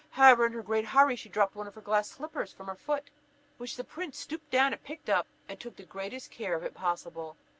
However, in her great hurry, she dropped one of her glass slippers from her foot, which the prince stooped down and picked up, and took the greatest care of it possible.